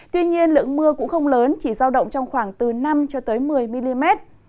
tuy nhiên lượng mưa cũng không lớn chỉ giao động trong khoảng từ năm một mươi mm